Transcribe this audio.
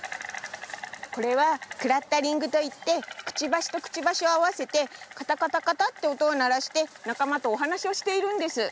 これは「クラッタリング」といってくちばしとくちばしをあわせてカタカタカタっておとをならしてなかまとおはなしをしているんです。